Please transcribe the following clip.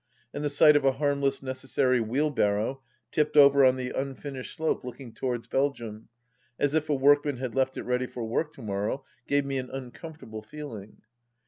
And the sight of a harmless necessary wheelbarrow tipped over on the unfinished slope looking towards Belgium, as if a workman had left it ready for work to morrow, gave me an uncomfortable feeling.